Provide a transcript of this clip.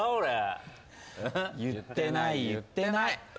言ってない言ってない。